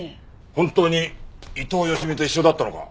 本当に伊藤佳美と一緒だったのか？